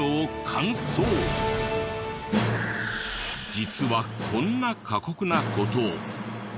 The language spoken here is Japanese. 実はこんな過酷な事を。